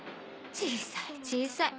小さい小さい。